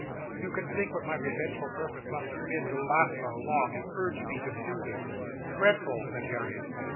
You can think what my revengeful purpose must have been, to last so long, and urge me to do this?" "Dreadful!" said Harriet.